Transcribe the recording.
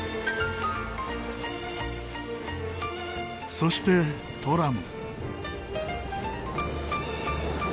そしてトラム。